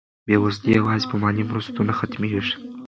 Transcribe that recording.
بېوزلي یوازې په مالي مرستو نه ختمېږي.